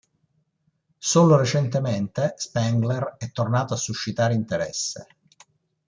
Solo recentemente Spengler è tornato a suscitare interesse.